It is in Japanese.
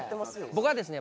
僕はですね